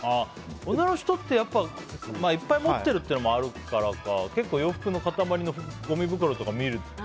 女の人って、いっぱい持ってるってのもあるからか結構、洋服の塊のごみ袋とかを見ると。